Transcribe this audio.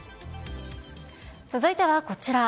続いてはこちら。